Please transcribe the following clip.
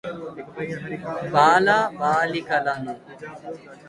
బాల బాలికలను